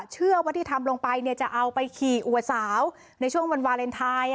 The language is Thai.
เชื่อว่าที่ทำลงไปจะเอาไปขี่อวดสาวในช่วงวันวาเลนไทย